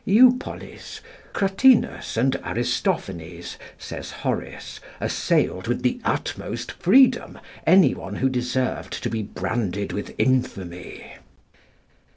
Eupolis, Cratinus, and Aristophanes, says Horace, assailed with the utmost freedom any one who deserved to be branded with infamy.